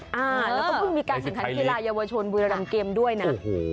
แล้วก็เพิ่งมีการแข่งขันกีฬาเยาวชนบุรีรำเกมด้วยนะ